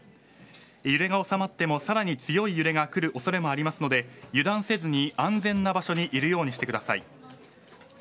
揺れが収まってもさらに強い揺れが来る恐れもありますので油断せずに安全な場所にいるようにしてください。